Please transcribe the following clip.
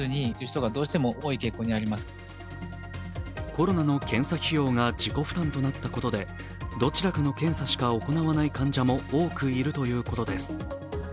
コロナの検査費用が自己負担となったことでどちらかの検査しか行わない患者も多くいるということです。